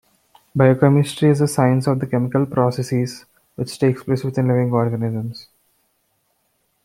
Biochemistry is the science of the chemical processes which takes place within living organisms.